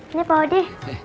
ini pak odi